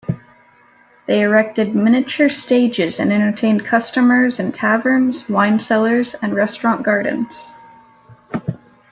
They erected miniature stages and entertained customers in taverns, wine cellars, and restaurant gardens.